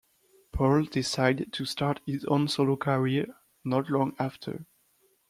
Paul decided to start his own solo career not long after.